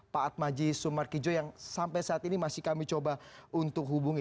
pak atmaji sumarkijo yang sampai saat ini masih kami coba untuk hubungi